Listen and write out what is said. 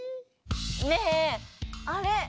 ねぇあれ！